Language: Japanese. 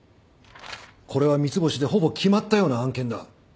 これは三ツ星でほぼ決まったような案件だ。